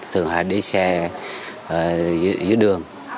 thường họ đi xe dưới đường